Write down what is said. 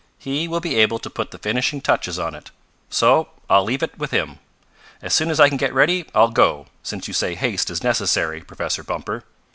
"He will be able to put the finishing touches on it. So I'll leave it with him. As soon as I can get ready I'll go, since you say haste is necessary, Professor Bumper."